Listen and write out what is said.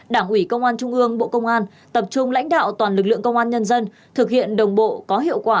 đảng ủy công an trung ương bộ công an tập trung lãnh đạo toàn lực lượng công an nhân dân thực hiện đồng bộ có hiệu quả